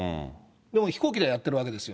でも飛行機ではやってるわけですよ。